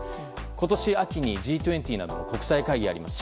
今年秋にＧ２０などの国際会議があります。